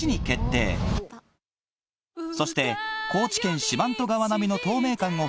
そして高知県四万十川並みの透明感を誇る